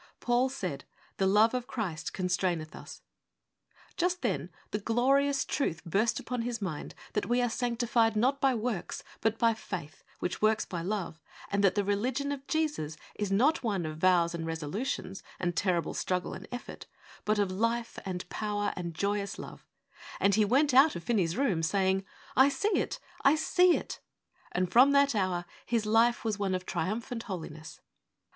'Paul said, "The love of Christ constraineth us."' Just then the glorious truth burst upon his mind that we are sanctified not by works, but by faith which works by love, and that the religion of Jesus is not one of vows and resolutions, and terrible struggle and effort, but of life and power and joyous love, and he went out of Finney's room, saying, ' I see it, I see it !' and from that hour his life was one of triumphant Holiness.